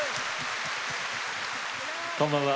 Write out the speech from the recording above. こんばんは。